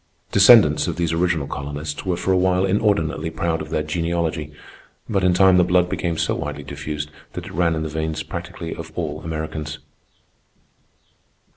Descendants of these original colonists were for a while inordinately proud of their genealogy; but in time the blood became so widely diffused that it ran in the veins practically of all Americans.